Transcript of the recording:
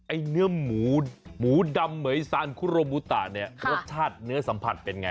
เนื้อหมูหมูดำเหมือยซานคุโรบูตะเนี่ยรสชาติเนื้อสัมผัสเป็นไง